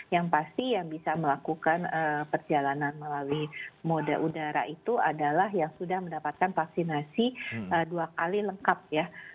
yang pasti yang bisa melakukan perjalanan melalui moda udara itu adalah yang sudah mendapatkan vaksinasi dua kali lengkap ya